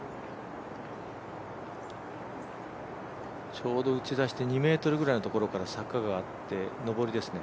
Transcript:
ちょうど打ち出して２ｍぐらいのところから坂があって、上りですね。